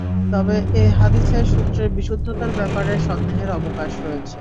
তবে এ হাদীসের সূত্রের বিশুদ্ধতার ব্যাপারে সন্দেহের অবকাশ রয়েছে।